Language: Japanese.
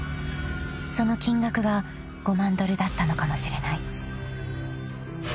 ［その金額が５万ドルだったのかもしれない］